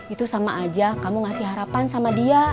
itu sama aja kamu ngasih harapan sama dia